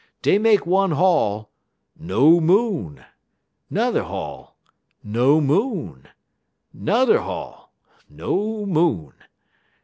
"Dey make one haul no Moon; n'er haul no Moon; n'er haul no Moon.